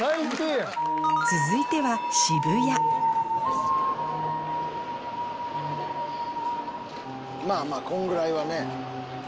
続いてはまぁこんぐらいはね。